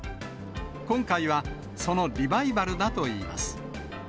今回はそのリバイバルだといいます。